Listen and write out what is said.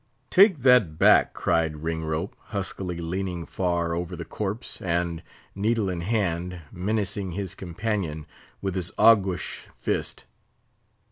"Take that back!" cried Ringrope, huskily, leaning far over the corpse, and, needle in hand, menacing his companion with his aguish fist.